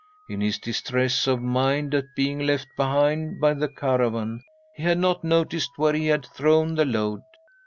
In his distress of mind at being left behind by the caravan, he had not noticed where he had thrown the load.